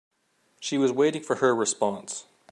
She was waiting for her response.